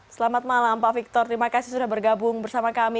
selamat malam pak victor terima kasih sudah bergabung bersama kami